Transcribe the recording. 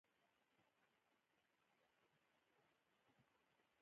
سیلابونه د افغانستان د ملي هویت یوه نښه ده.